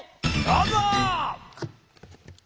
どうぞ！